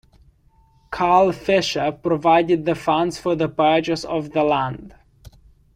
Carl Fisher provided the funds for the purchase of the land.